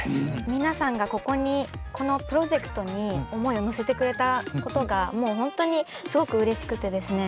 皆さんがここにこのプロジェクトに思いを乗せてくれたことがもう本当にすごくうれしくてですね